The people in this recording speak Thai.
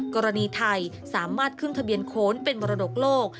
กรณีไทยสามารถขึ้นทะเบียนโขนเป็นมรดกโลก